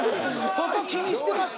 そこ気にしてました？